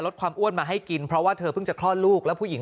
ลดความอ้วนมาให้กินเพราะว่าเธอเพิ่งจะคลอดลูกแล้วผู้หญิง